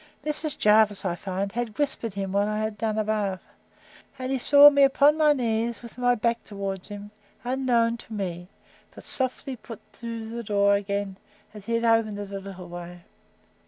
Mrs. Jervis, I find, had whispered him what I had done above, and he saw me upon my knees, with my back towards him, unknown to me; but softly put to the door again, as he had opened it a little way.